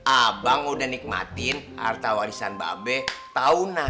abang udah nikmatin harta warisan babe tahunan